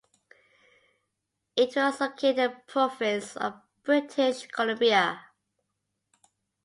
It was located in the province of British Columbia.